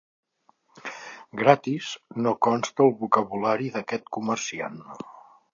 "Gratis" no consta al vocabulari d'aquest comerciant.